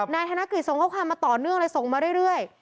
นายกธนกฤษส่งข้อความมาต่อเนื่องเลยส่งมาเรื่อย